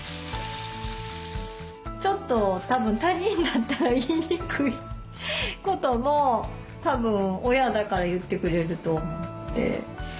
ちょっと他人だったら言いにくいこともたぶん親だから言ってくれると思って。